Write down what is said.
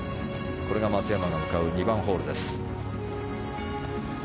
これが松山が向かう２番ホールです。